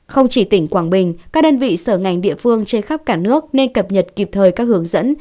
không chỉ tỉnh quảng bình các đơn vị sở ngành địa phương trên khắp cả nước nên cập nhật kịp thời các hướng dẫn